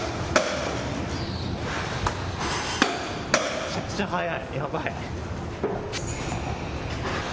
めちゃくちゃ速い、やばい。